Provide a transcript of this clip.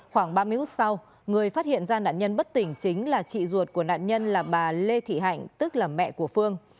khoảng ba mươi phút sau người phát hiện ra nạn nhân bất tỉnh chính là chị ruột của nạn nhân là bà lê thị hạnh tức là mẹ của phương